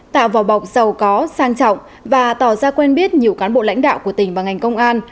tạo vỏ bọc giàu có sang trọng và tỏ ra quen biết nhiều cán bộ lãnh đạo của tỉnh và ngành công an